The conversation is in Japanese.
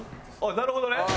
なるほどね。